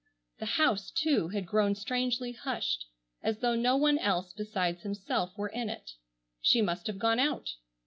The house, too, had grown strangely hushed as though no one else besides himself were in it. She must have gone out.